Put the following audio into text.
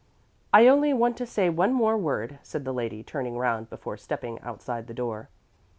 "I only want to say one more word," said the lady turning round before stepping outside the door.